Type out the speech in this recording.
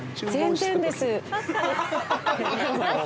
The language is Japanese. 全然です。